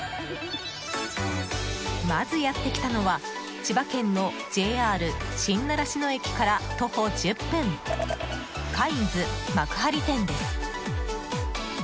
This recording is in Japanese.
まず、やってきたのは千葉県のＪＲ新習志野駅から徒歩１０分、カインズ幕張店です。